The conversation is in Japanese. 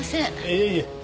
いえいえ。